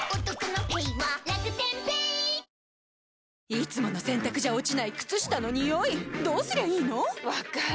いつもの洗たくじゃ落ちない靴下のニオイどうすりゃいいの⁉分かる。